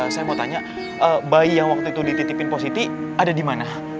saya mau tanya bayi yang waktu itu dititipin positif ada di mana